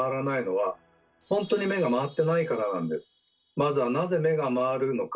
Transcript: まずは「なぜ目が回るのか？」